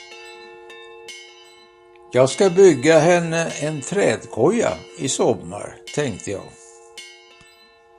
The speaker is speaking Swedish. Jag ska bygga henne en trädkoja i sommar, tänkte jag.